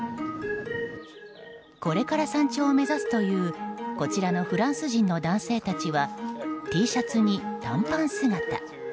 これから山頂を目指すというこちらのフランス人の男性たちはＴシャツに短パン姿。